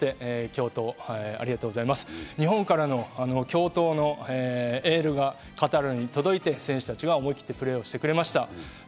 日本から共闘のエールがカタールに届いて、選手たちが思い切ってプレーしてくれました。